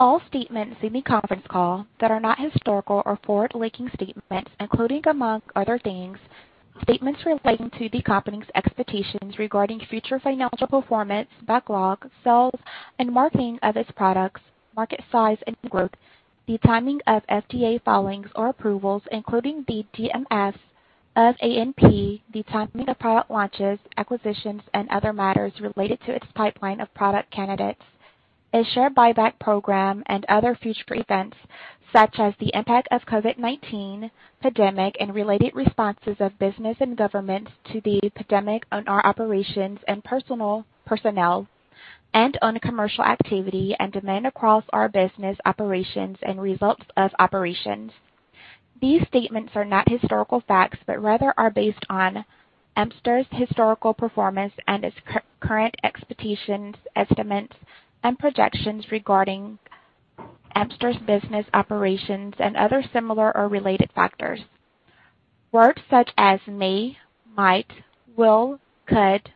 All statements in the conference call that are not historical or forward-looking statements, including among other things, statements relating to the company's expectations regarding future financial performance, backlog, sales, and marketing of its products, market size and growth, the timing of FDA filings or approvals, including the DMFs of ANP, the timing of product launches, acquisitions, and other matters related to its pipeline of product candidates, its share buyback program, and other future events such as the impact of COVID-19 pandemic and related responses of business and government to the pandemic on our operations and personnel and on commercial activity and demand across our business operations and results of operations. These statements are not historical facts but rather are based on Amphastar's historical performance and its current expectations, estimates, and projections regarding Amphastar's business operations and other similar or related factors. Words such as may, might, will, could,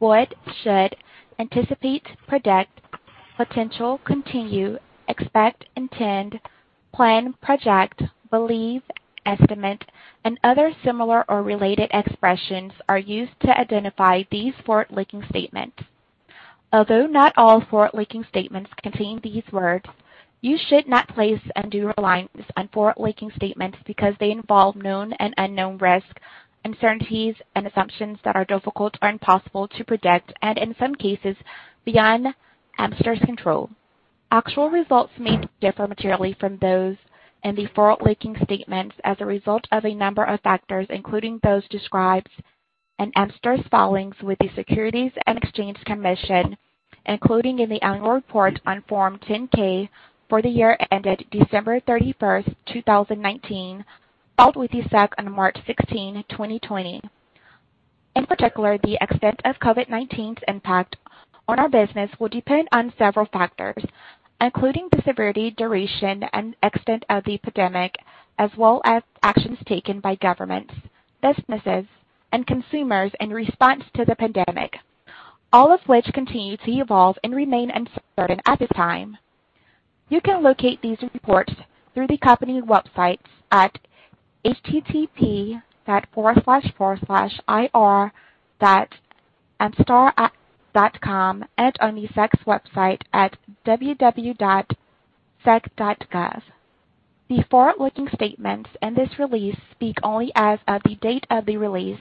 would, should, anticipate, predict, potential, continue, expect, intend, plan, project, believe, estimate, and other similar or related expressions are used to identify these forward-looking statements. Although not all forward-looking statements contain these words, you should not place undue reliance on forward-looking statements because they involve known and unknown risks, uncertainties, and assumptions that are difficult or impossible to predict and, in some cases, beyond Amphastar's control. Actual results may differ materially from those in the forward-looking statements as a result of a number of factors, including those described in Amphastar's filings with the Securities and Exchange Commission, including in the annual report on Form 10-K for the year ended December 31st, 2019, filed with the SEC on March 16, 2020. In particular, the extent of COVID-19's impact on our business will depend on several factors, including the severity, duration, and extent of the pandemic, as well as actions taken by governments, businesses, and consumers in response to the pandemic, all of which continue to evolve and remain uncertain at this time. You can locate these reports through the company website at https://amphastar.com/ and on the SEC's website at www.sec.gov. The forward-looking statements in this release speak only as of the date of the release.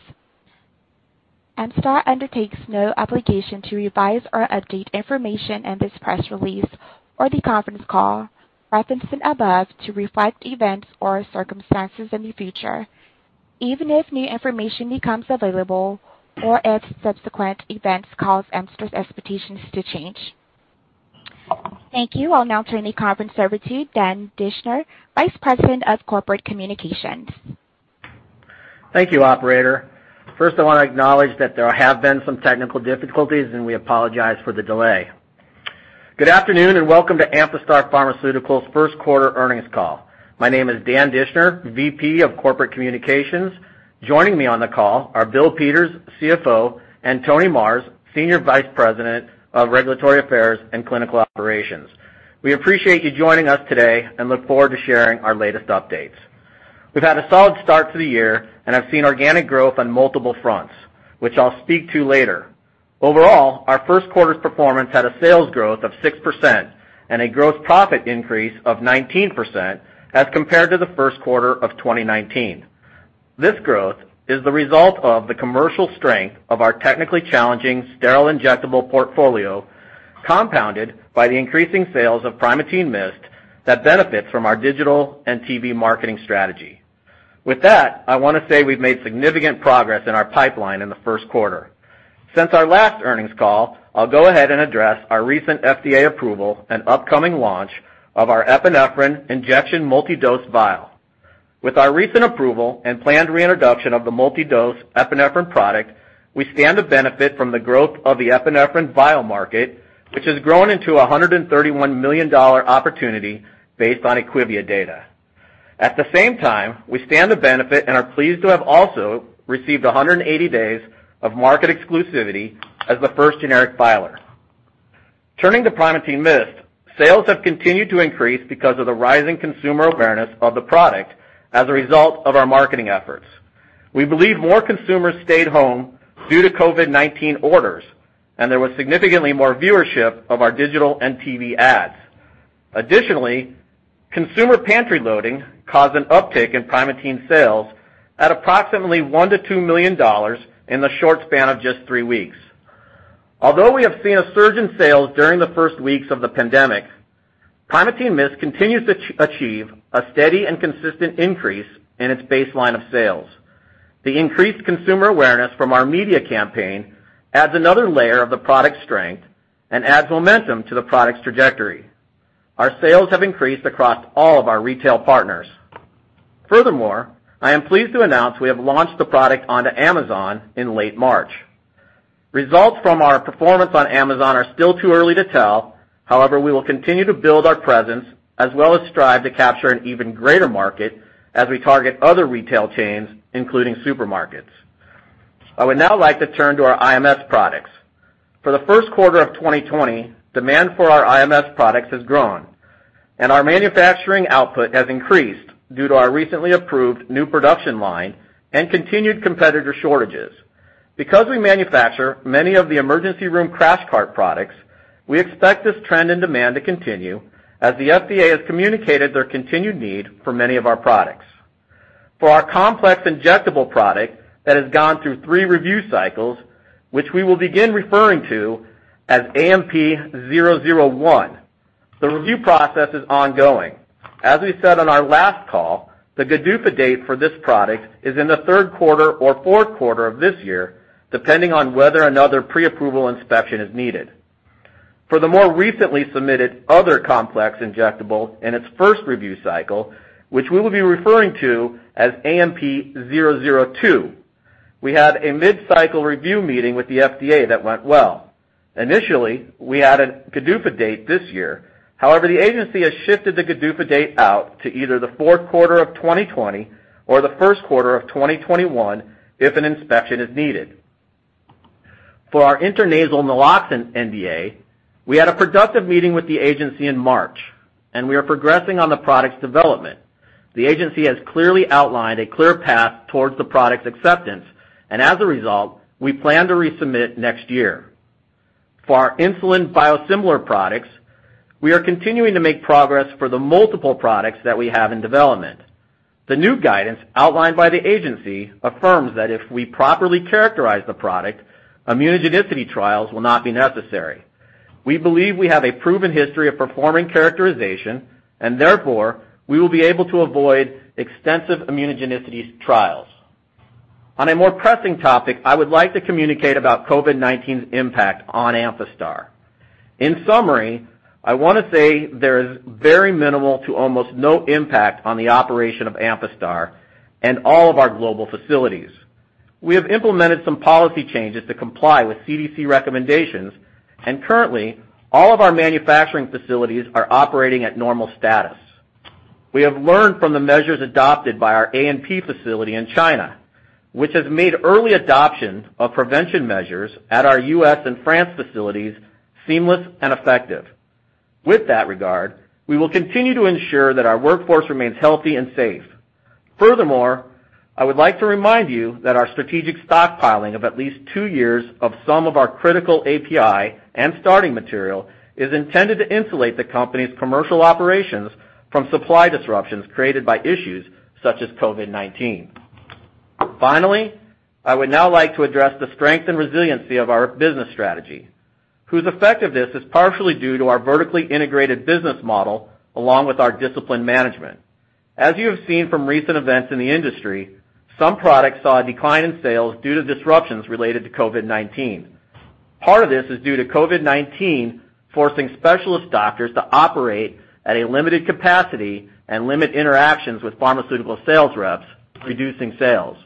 Amphastar undertakes no obligation to revise or update information in this press release or the conference call referenced above to reflect events or circumstances in the future, even if new information becomes available or if subsequent events cause Amphastar's expectations to change. Thank you. I'll now turn the conference over to Dan Dischner, Vice President of Corporate Communications. Thank you, Operator. First, I want to acknowledge that there have been some technical difficulties, and we apologize for the delay. Good afternoon and welcome to Amphastar Pharmaceuticals' Q1 Earnings Call. My name is Dan Dischner, Vice President of Corporate Communications. Joining me on the call are Bill Peters, CFO, and Tony Marrs, Senior Vice President of Regulatory Affairs and Clinical Operations. We appreciate you joining us today and look forward to sharing our latest updates. We've had a solid start to the year, and I've seen organic growth on multiple fronts, which I'll speak to later. Overall, our first quarter's performance had a sales growth of 6% and a gross profit increase of 19% as compared to the Q1 of 2019. This growth is the result of the commercial strength of our technically challenging sterile injectable portfolio, compounded by the increasing sales of Primatene Mist that benefits from our digital and TV marketing strategy. With that, I want to say we've made significant progress in our pipeline in the Q1. Since our last earnings call, I'll go ahead and address our recent FDA approval and upcoming launch of our epinephrine injection multi-dose vial. With our recent approval and planned reintroduction of the multi-dose epinephrine product, we stand to benefit from the growth of the epinephrine vial market, which has grown into a $131 million opportunity based on IQVIA data. At the same time, we stand to benefit and are pleased to have also received 180 days of market exclusivity as the first generic filer. Turning to Primatene Mist, sales have continued to increase because of the rising consumer awareness of the product as a result of our marketing efforts. We believe more consumers stayed home due to COVID-19 orders, and there was significantly more viewership of our digital and TV ads. Additionally, consumer pantry loading caused an uptick in Primatene sales at approximately $1-$2 million in the short span of just three weeks. Although we have seen a surge in sales during the first weeks of the pandemic, Primatene Mist continues to achieve a steady and consistent increase in its baseline of sales. The increased consumer awareness from our media campaign adds another layer of the product's strength and adds momentum to the product's trajectory. Our sales have increased across all of our retail partners. Furthermore, I am pleased to announce we have launched the product onto Amazon in late March. Results from our performance on Amazon are still too early to tell. However, we will continue to build our presence as well as strive to capture an even greater market as we target other retail chains, including supermarkets. I would now like to turn to our IMS products. For the Q1 of 2020, demand for our IMS products has grown, and our manufacturing output has increased due to our recently approved new production line and continued competitor shortages. Because we manufacture many of the emergency room crash cart products, we expect this trend in demand to continue as the FDA has communicated their continued need for many of our products. For our complex injectable product that has gone through three review cycles, which we will begin referring to as AMP-001, the review process is ongoing. As we said on our last call, the GDUFA date for this product is in the Q3 or Q4 of this year, depending on whether another pre-approval inspection is needed. For the more recently submitted other complex injectable in its first review cycle, which we will be referring to as AMP-002, we had a mid-cycle review meeting with the FDA that went well. Initially, we had a GDUFA date this year; however, the agency has shifted the GDUFA date out to either the Q4 of 2020 or the Q1 of 2021 if an inspection is needed. For our intranasal naloxone NDA, we had a productive meeting with the agency in March, and we are progressing on the product's development. The agency has clearly outlined a clear path towards the product's acceptance, and as a result, we plan to resubmit next year. For our insulin biosimilar products, we are continuing to make progress for the multiple products that we have in development. The new guidance outlined by the agency affirms that if we properly characterize the product, immunogenicity trials will not be necessary. We believe we have a proven history of performing characterization, and therefore, we will be able to avoid extensive immunogenicity trials. On a more pressing topic, I would like to communicate about COVID-19's impact on Amphastar. In summary, I want to say there is very minimal to almost no impact on the operation of Amphastar and all of our global facilities. We have implemented some policy changes to comply with CDC recommendations, and currently, all of our manufacturing facilities are operating at normal status. We have learned from the measures adopted by our A&P facility in China, which has made early adoption of prevention measures at our U.S. and France facilities seamless and effective. In that regard, we will continue to ensure that our workforce remains healthy and safe. Furthermore, I would like to remind you that our strategic stockpiling of at least two years of some of our critical API and starting material is intended to insulate the company's commercial operations from supply disruptions created by issues such as COVID-19. Finally, I would now like to address the strength and resiliency of our business strategy, whose effectiveness is partially due to our vertically integrated business model along with our disciplined management. As you have seen from recent events in the industry, some products saw a decline in sales due to disruptions related to COVID-19. Part of this is due to COVID-19 forcing specialist doctors to operate at a limited capacity and limit interactions with pharmaceutical sales reps, reducing sales.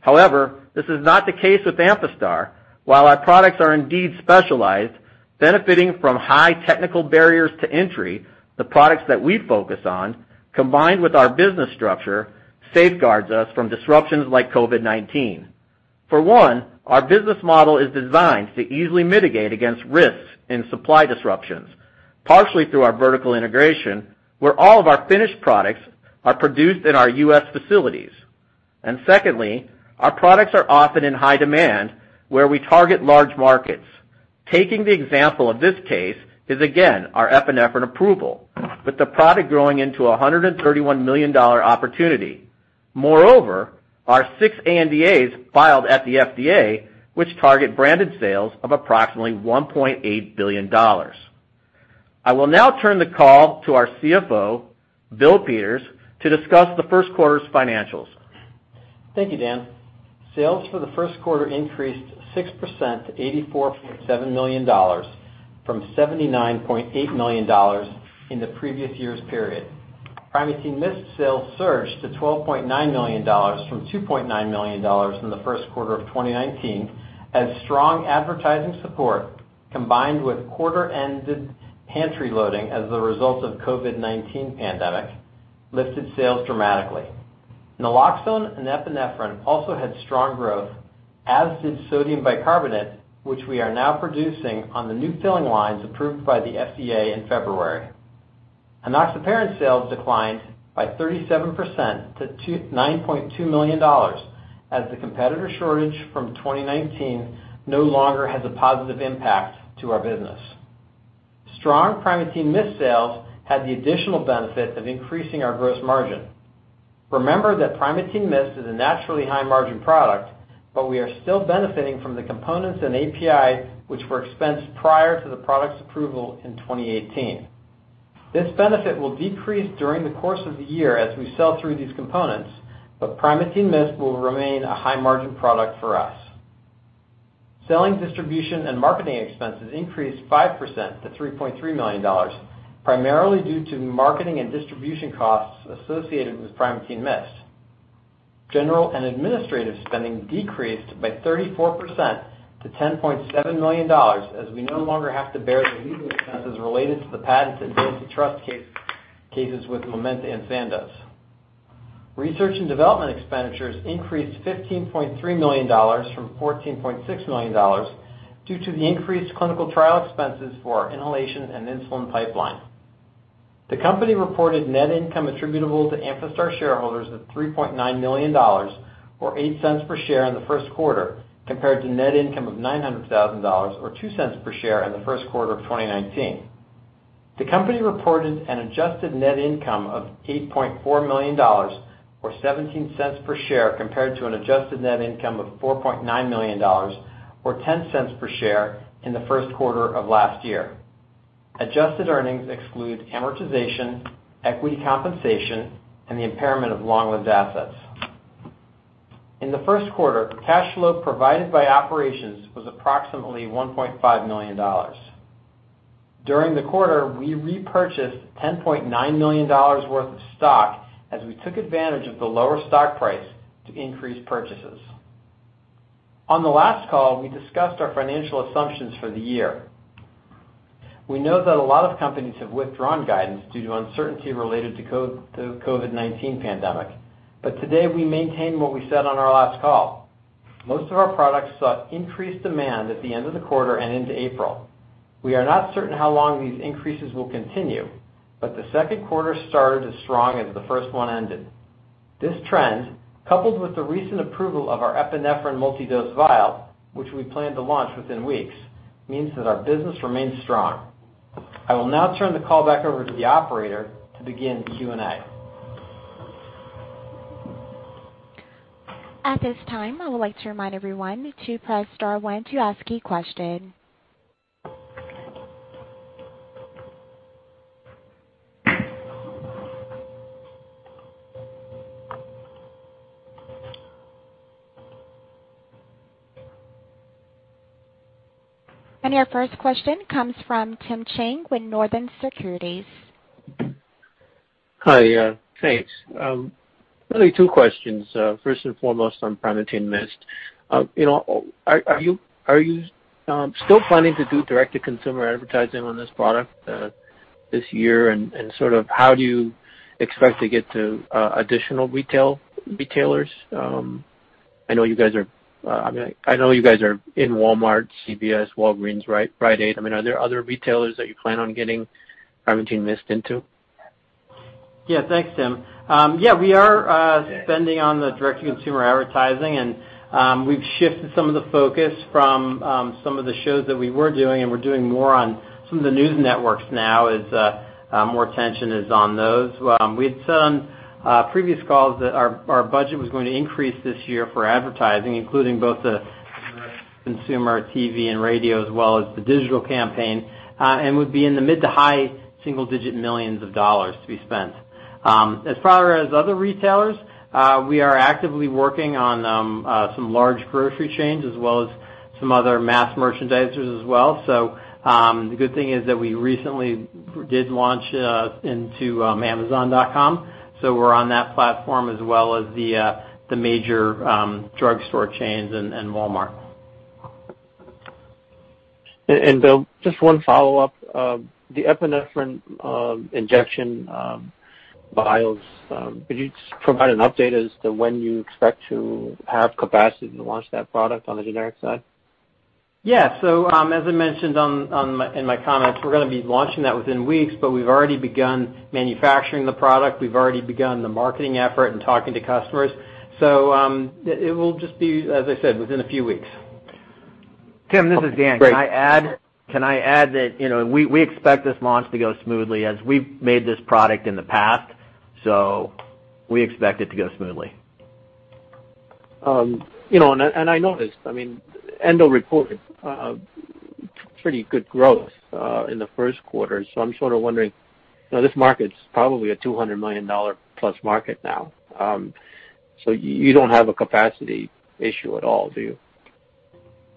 However, this is not the case with Amphastar. While our products are indeed specialized, benefiting from high technical barriers to entry, the products that we focus on, combined with our business structure, safeguards us from disruptions like COVID-19. For one, our business model is designed to easily mitigate against risks in supply disruptions, partially through our vertical integration, where all of our finished products are produced in our U.S. facilities. And secondly, our products are often in high demand, where we target large markets. Taking the example of this case is, again, our epinephrine approval, with the product growing into a $131 million opportunity. Moreover, our six ANDAs filed at the FDA, which target branded sales of approximately $1.8 billion. I will now turn the call to our CFO, Bill Peters, to discuss the first quarter's financials. Thank you, Dan. Sales for the Q1 increased 6% to $84.7 million from $79.8 million in the previous year's period. Primatene Mist sales surged to $12.9 million from $2.9 million in the Q1 of 2019, as strong advertising support combined with quarter-ended pantry loading as a result of the COVID-19 pandemic lifted sales dramatically. Naloxone and epinephrine also had strong growth, as did sodium bicarbonate, which we are now producing on the new filling lines approved by the FDA in February. Enoxaparin sales declined by 37% to $9.2 million, as the competitor shortage from 2019 no longer has a positive impact on our business. Strong Primatene Mist sales had the additional benefit of increasing our gross margin. Remember that Primatene Mist is a naturally high-margin product, but we are still benefiting from the components and API, which were expensed prior to the product's approval in 2018. This benefit will decrease during the course of the year as we sell through these components, but Primatene Mist will remain a high-margin product for us. Selling, distribution, and marketing expenses increased 5% to $3.3 million, primarily due to marketing and distribution costs associated with Primatene Mist. General and administrative spending decreased by 34% to $10.7 million, as we no longer have to bear the legal expenses related to the patent and antitrust cases with Momenta and Sandoz. Research and development expenditures increased $15.3 million from $14.6 million due to the increased clinical trial expenses for our inhalation and insulin pipeline. The company reported net income attributable to Amphastar shareholders of $3.9 million, or $0.08 per share in the Q1, compared to net income of $900,000, or $0.02 per share in the Q1 of 2019. The company reported an adjusted net income of $8.4 million, or $0.17 per share, compared to an adjusted net income of $4.9 million, or $0.10 per share in the Q1 of last year. Adjusted earnings exclude amortization, equity compensation, and the impairment of long-lived assets. In the Q1, cash flow provided by operations was approximately $1.5 million. During the quarter, we repurchased $10.9 million worth of stock as we took advantage of the lower stock price to increase purchases. On the last call, we discussed our financial assumptions for the year. We know that a lot of companies have withdrawn guidance due to uncertainty related to the COVID-19 pandemic, but today we maintain what we said on our last call. Most of our products saw increased demand at the end of the quarter and into April. We are not certain how long these increases will continue, but the Q2 started as strong as the first one ended. This trend, coupled with the recent approval of our epinephrine multi-dose vial, which we plan to launch within weeks, means that our business remains strong. I will now turn the call back over to the operator to begin Q&A. At this time, I would like to remind everyone to press star one to ask a question, and our first question comes from Tim Chiang with Northland Securities. Hi, thanks. Really two questions. First and foremost on Primatene Mist. Are you still planning to do direct-to-consumer advertising on this product this year, and sort of how do you expect to get to additional retailers? I know you guys are—I mean, I know you guys are in Walmart, CVS, Walgreens, Rite Aid. I mean, are there other retailers that you plan on getting Primatene Mist into? Yeah, thanks, Tim. Yeah, we are spending on the direct-to-consumer advertising, and we've shifted some of the focus from some of the shows that we were doing, and we're doing more on some of the news networks now as more attention is on those. We had said on previous calls that our budget was going to increase this year for advertising, including both the direct-to-consumer TV and radio, as well as the digital campaign, and would be in the mid- to high single-digit millions of dollars to be spent. As far as other retailers, we are actively working on some large grocery chains as well as some other mass merchandisers as well. So the good thing is that we recently did launch into Amazon.com, so we're on that platform, as well as the major drugstore chains and Walmart. Bill, just one follow-up. The epinephrine injection vials, could you provide an update as to when you expect to have capacity to launch that product on the generic side? Yeah. So as I mentioned in my comments, we're going to be launching that within weeks, but we've already begun manufacturing the product. We've already begun the marketing effort and talking to customers. So it will just be, as I said, within a few weeks. Tim, this is Dan. Can I add that we expect this launch to go smoothly as we've made this product in the past, so we expect it to go smoothly. And I noticed, I mean, Endo reported pretty good growth in the Q1, so I'm sort of wondering, this market's probably a $200 million-plus market now. So you don't have a capacity issue at all, do you?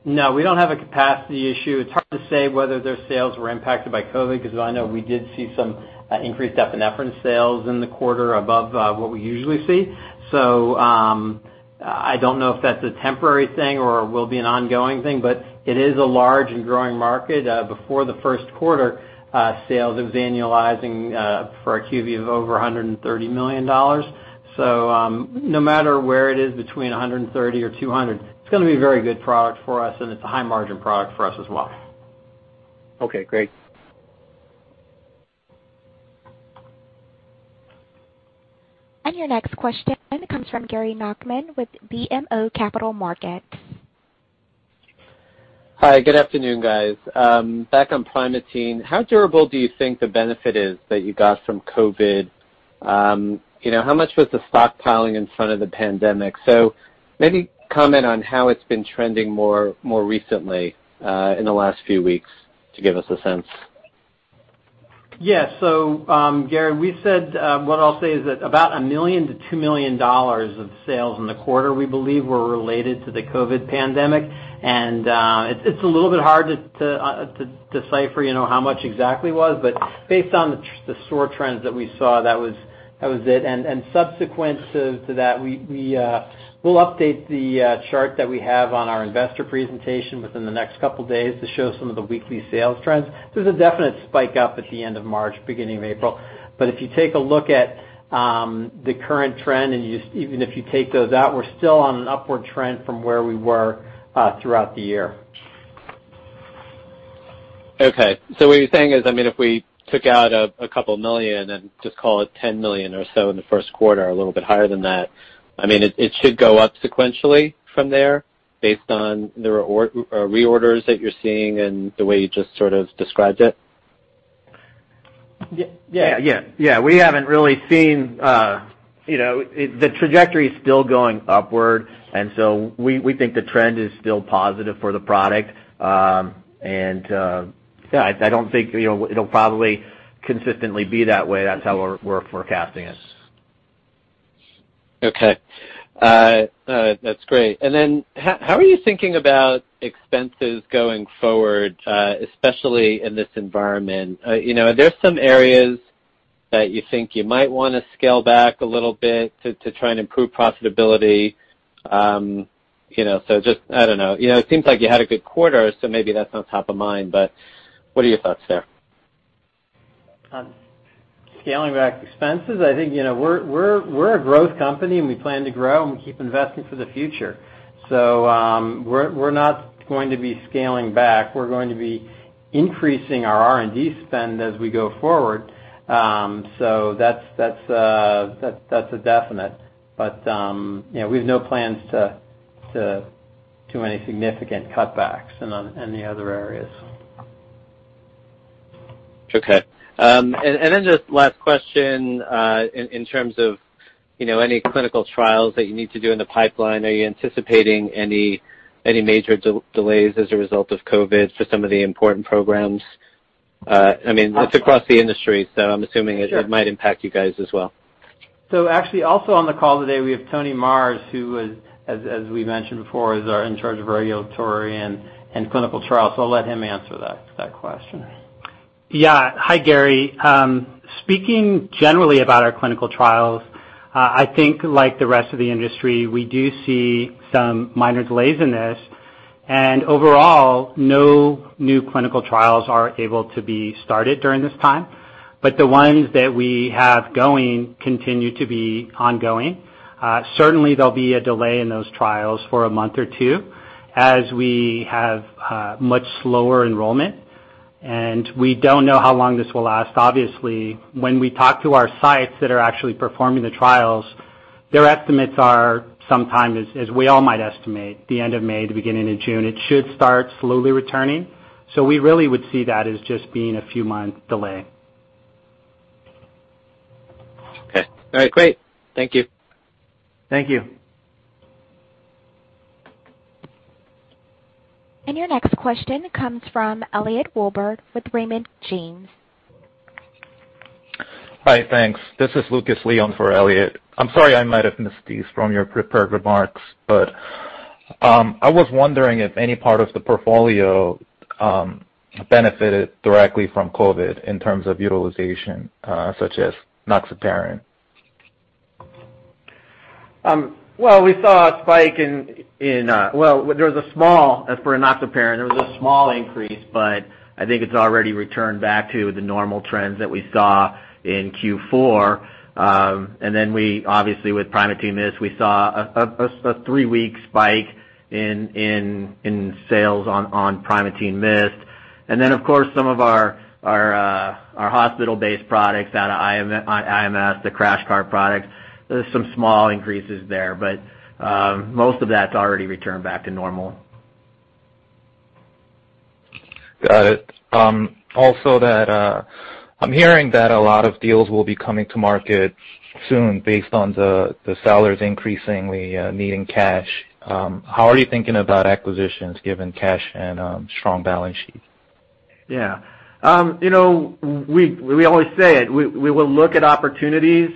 No, we don't have a capacity issue. It's hard to say whether their sales were impacted by COVID because I know we did see some increased epinephrine sales in the quarter above what we usually see. So I don't know if that's a temporary thing or will be an ongoing thing, but it is a large and growing market. Before the Q1, sales. It was annualizing for IQVIA of over $130 million. So no matter where it is, between 130 or 200, it's going to be a very good product for us, and it's a high-margin product for us as well. Okay, great. Your next question comes from Gary Nachman with BMO Capital Markets. Hi, good afternoon, guys. Back on Primatene. How durable do you think the benefit is that you got from COVID? How much was the stockpiling in front of the pandemic? So maybe comment on how it's been trending more recently in the last few weeks to give us a sense. Yeah, so Gary, what I'll say is that about $1 million-$2 million of sales in the quarter, we believe, were related to the COVID pandemic, and it's a little bit hard to decipher how much exactly was, but based on the store trends that we saw, that was it, and subsequent to that, we'll update the chart that we have on our investor presentation within the next couple of days to show some of the weekly sales trends. There's a definite spike up at the end of March, beginning of April, but if you take a look at the current trend, and even if you take those out, we're still on an upward trend from where we were throughout the year. Okay. So what you're saying is, I mean, if we took out $2 million and just call it $10 million or so in the Q1, a little bit higher than that, I mean, it should go up sequentially from there based on the reorders that you're seeing and the way you just sort of described it? Yeah, yeah, yeah. We haven't really seen the trajectory is still going upward, and so we think the trend is still positive for the product. And yeah, I don't think it'll probably consistently be that way. That's how we're forecasting it. Okay. That's great. And then how are you thinking about expenses going forward, especially in this environment? Are there some areas that you think you might want to scale back a little bit to try and improve profitability? So just, I don't know. It seems like you had a good quarter, so maybe that's not top of mind, but what are your thoughts there? Scaling back expenses? I think we're a growth company, and we plan to grow, and we keep investing for the future. So we're not going to be scaling back. We're going to be increasing our R&D spend as we go forward. So that's a definite. But yeah, we have no plans to do any significant cutbacks in any other areas. Okay, and then just last question in terms of any clinical trials that you need to do in the pipeline. Are you anticipating any major delays as a result of COVID for some of the important programs? I mean, it's across the industry, so I'm assuming it might impact you guys as well. Actually, also on the call today, we have Tony Marrs, who is, as we mentioned before, in charge of regulatory and clinical trials. I'll let him answer that question. Yeah. Hi, Gary. Speaking generally about our clinical trials, I think like the rest of the industry, we do see some minor delays in this. And overall, no new clinical trials are able to be started during this time, but the ones that we have going continue to be ongoing. Certainly, there'll be a delay in those trials for a month or two as we have much slower enrollment. And we don't know how long this will last. Obviously, when we talk to our sites that are actually performing the trials, their estimates are sometime, as we all might estimate, the end of May, the beginning of June. It should start slowly returning. So we really would see that as just being a few months' delay. Okay. All right. Great. Thank you. Thank you. And your next question comes from Elliot Wilbur with Raymond James. Hi, thanks. This is Lucas Lee for Elliot. I'm sorry I might have misheard your prepared remarks, but I was wondering if any part of the portfolio benefited directly from COVID in terms of utilization, such as enoxaparin? Well, there was a small increase as for enoxaparin, but I think it's already returned back to the normal trends that we saw in Q4. And then we, obviously, with Primatene Mist, we saw a three-week spike in sales on Primatene Mist. And then, of course, some of our hospital-based products out of IMS, the crash cart products, there's some small increases there, but most of that's already returned back to normal. Got it. Also, I'm hearing that a lot of deals will be coming to market soon based on the sellers increasingly needing cash. How are you thinking about acquisitions given cash and strong balance sheets? Yeah. We always say it. We will look at opportunities.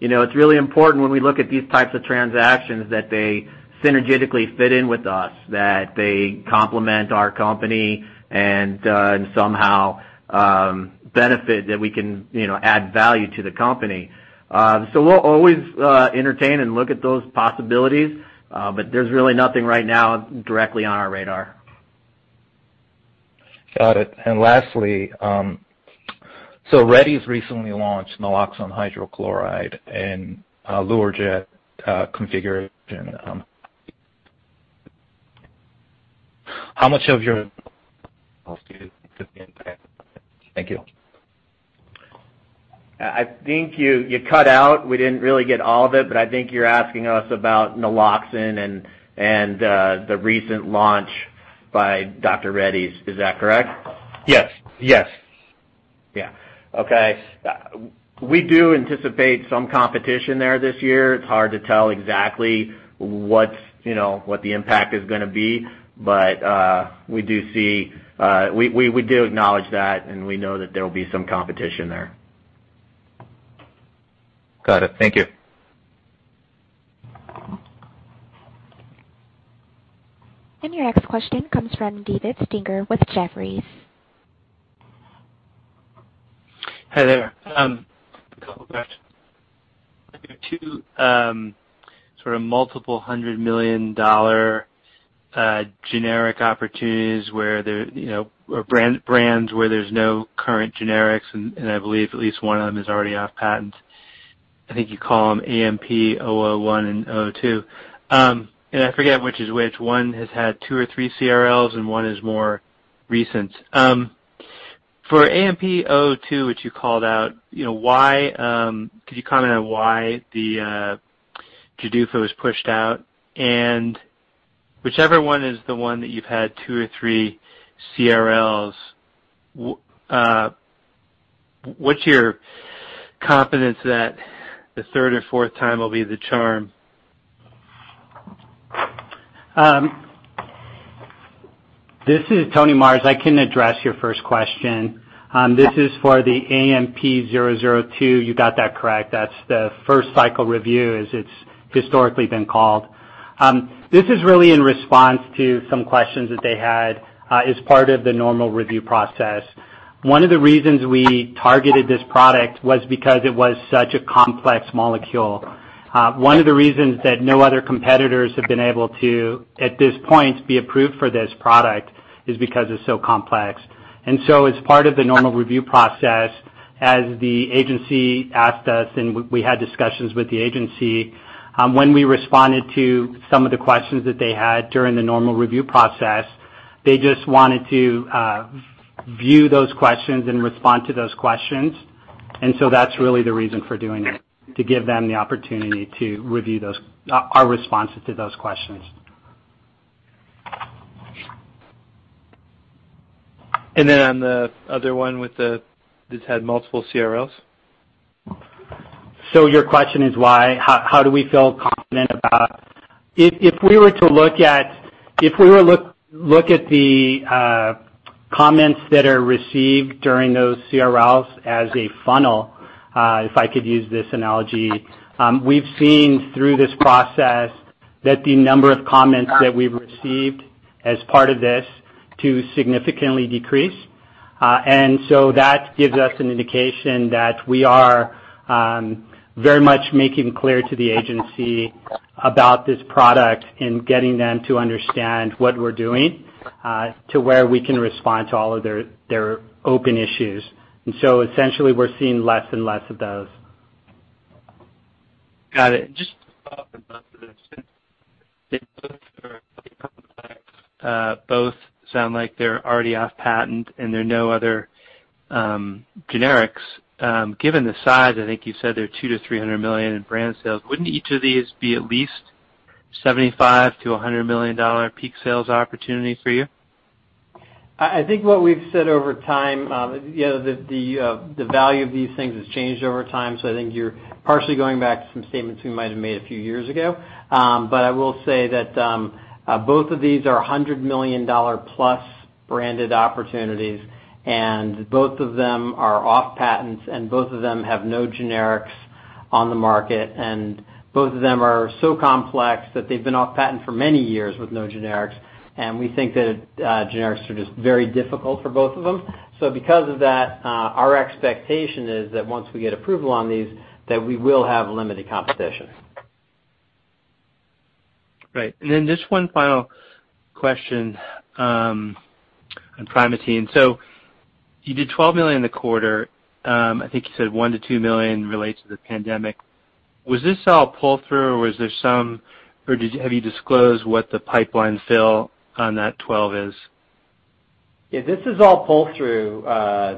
It's really important when we look at these types of transactions that they synergistically fit in with us, that they complement our company and somehow benefit that we can add value to the company. So we'll always entertain and look at those possibilities, but there's really nothing right now directly on our radar. Got it. And lastly, so Reddy's recently launched naloxone hydrochloride and Luer-Jet configuration. How much of your. Thank you. I think you cut out. We didn't really get all of it, but I think you're asking us about naloxone and the recent launch by Dr. Reddy's. Is that correct? Yes. Yes. Yeah. Okay. We do anticipate some competition there this year. It's hard to tell exactly what the impact is going to be, but we do see, we do acknowledge that, and we know that there will be some competition there. Got it. Thank you. Your next question comes from David Steinberg with Jefferies. Hi there. A couple of questions. There are two sort of multiple hundred million dollar generic opportunities where there are brands where there's no current generics, and I believe at least one of them is already off patent. I think you call them AMP-001 and AMP-002. And I forget which is which. One has had two or three CRLs, and one is more recent. For AMP-002, which you called out, could you comment on why the GDUFA was pushed out? And whichever one is the one that you've had two or three CRLs, what's your confidence that the third or fourth time will be the charm? This is Tony Marrs. I can address your first question. This is for the AMP-002. You got that correct. That's the first cycle review, as it's historically been called. This is really in response to some questions that they had as part of the normal review process. One of the reasons we targeted this product was because it was such a complex molecule. One of the reasons that no other competitors have been able to, at this point, be approved for this product is because it's so complex, and so as part of the normal review process, as the agency asked us, and we had discussions with the agency, when we responded to some of the questions that they had during the normal review process, they just wanted to view those questions and respond to those questions. And so that's really the reason for doing it, to give them the opportunity to review our responses to those questions. And then on the other one with this had multiple CRLs? So, your question is why? How do we feel confident about—if we were to look at—if we were to look at the comments that are received during those CRLs as a funnel, if I could use this analogy, we've seen through this process that the number of comments that we've received as part of this to significantly decrease. And so that gives us an indication that we are very much making clear to the agency about this product and getting them to understand what we're doing to where we can respond to all of their open issues. And so essentially, we're seeing less and less of those. Got it. Just about the both sound like they're already off patent, and there are no other generics. Given the size, I think you said they're $200-300 million in brand sales. Wouldn't each of these be at least $75-100 million peak sales opportunity for you? I think what we've said over time, the value of these things has changed over time, so I think you're partially going back to some statements we might have made a few years ago, but I will say that both of these are $100 million plus branded opportunities, and both of them are off patents, and both of them have no generics on the market, and both of them are so complex that they've been off patent for many years with no generics, and we think that generics are just very difficult for both of them, so because of that, our expectation is that once we get approval on these, that we will have limited competition. Right, and then just one final question on Primatene. So you did $12 million in the quarter. I think you said $1 million to $2 million relates to the pandemic. Was this all pull-through, or was there some, or have you disclosed what the pipeline fill on that $12 million is? Yeah. This is all pull-through,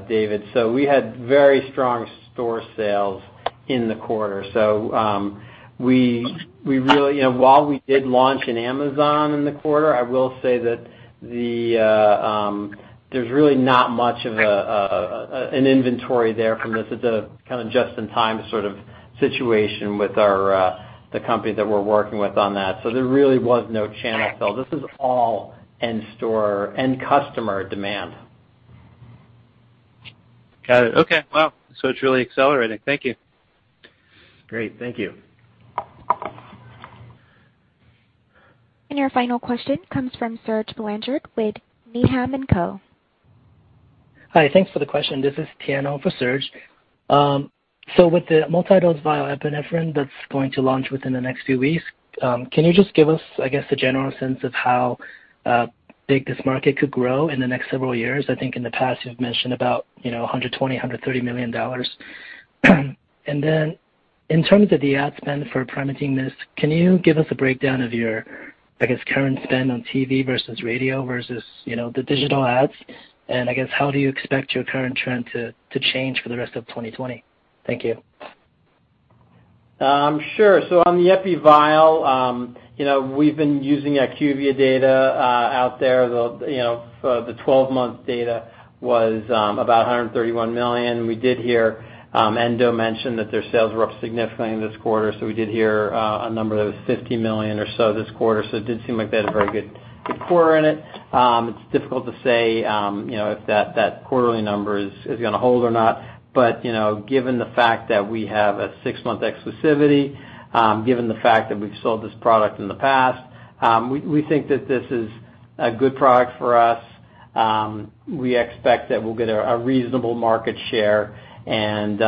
David. So we had very strong store sales in the quarter. So we really, while we did launch in Amazon in the quarter, I will say that there's really not much of an inventory there from this. It's a kind of just-in-time sort of situation with the company that we're working with on that. So there really was no channel fill. This is all in-store and customer demand. Got it. Okay. Wow. So it's really accelerating. Thank you. Great. Thank you. Your final question comes from Serge Belanger with Needham & Company. Hi. Thanks for the question. This is Tian for Serge. So with the multi-dose vial epinephrine that's going to launch within the next few weeks, can you just give us, I guess, a general sense of how big this market could grow in the next several years? I think in the past, you've mentioned about $120-$130 million. And then in terms of the ad spend for Primatene Mist, can you give us a breakdown of your, I guess, current spend on TV versus radio versus the digital ads? And I guess, how do you expect your current trend to change for the rest of 2020? Thank you. Sure. So on the Epi vial, we've been using IQVIA data out there. The 12-month data was about $131 million. We did hear Endo mention that their sales were up significantly this quarter. So we did hear a number that was $50 million or so this quarter. So it did seem like they had a very good quarter in it. It's difficult to say if that quarterly number is going to hold or not. But given the fact that we have a six-month exclusivity, given the fact that we've sold this product in the past, we think that this is a good product for us. We expect that we'll get a reasonable market share, and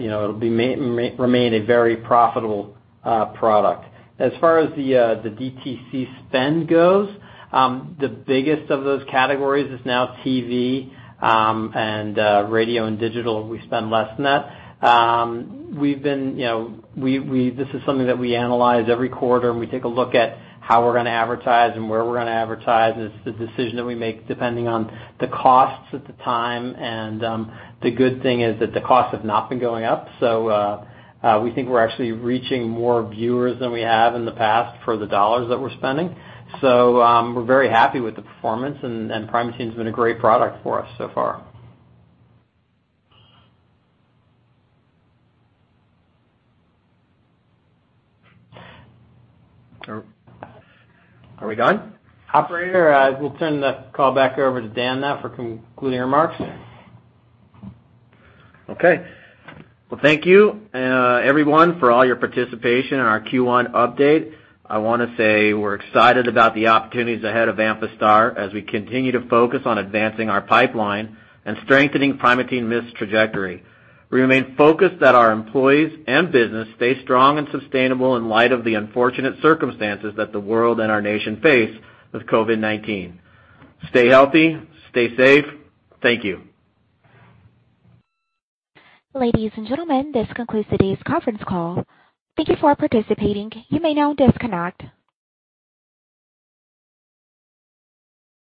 it'll remain a very profitable product. As far as the DTC spend goes, the biggest of those categories is now TV and radio and digital. We spend less than that. We've been. This is something that we analyze every quarter, and we take a look at how we're going to advertise and where we're going to advertise, and it's the decision that we make depending on the costs at the time, and the good thing is that the costs have not been going up, so we think we're actually reaching more viewers than we have in the past for the dollars that we're spending, so we're very happy with the performance, and Primatene has been a great product for us so far. Are we done? Operator, we'll turn the call back over to Dan now for concluding remarks. Okay. Well, thank you, everyone, for all your participation in our Q1 update. I want to say we're excited about the opportunities ahead of Amphastar as we continue to focus on advancing our pipeline and strengthening Primatene Mist's trajectory. We remain focused that our employees and business stay strong and sustainable in light of the unfortunate circumstances that the world and our nation face with COVID-19. Stay healthy. Stay safe. Thank you. Ladies and gentlemen, this concludes today's conference call. Thank you for participating. You may now disconnect.